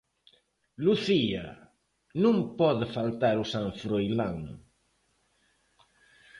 Lucía, non pode faltar o San Froilán.